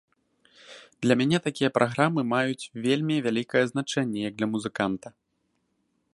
Для мяне такія праграмы маюць вельмі вялікае значэнне як для музыканта.